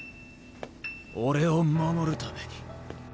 俺を守るために。